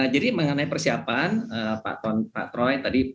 jadi mengenai persiapan pak troy tadi